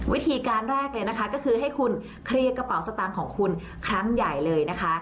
วิธีการแรกเลยนะคะก็คือให้คุณเคลียร์กระเป๋าสตางค์ของคุณครั้งใหญ่เลยนะคะ